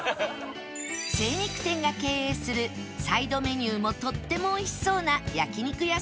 精肉店が経営するサイドメニューもとってもおいしそうな焼肉屋さん